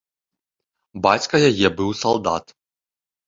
Бацька яе быў салдат.